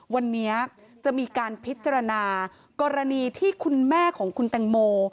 วันนี้จะมีการพิจารณากรณีที่คุณแม่ของคุณแตงโม